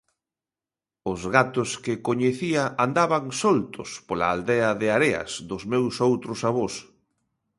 Os gatos que coñecía andaban soltos pola aldea de Areas dos meus outros avós.